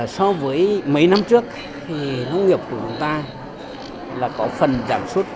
so với mấy năm trước nông nghiệp của chúng ta có phần giảm suất